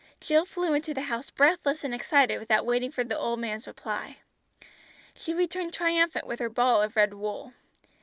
Jill flew into the house breathless and excited without waiting for the old man's reply. She returned triumphant with her ball of red wool.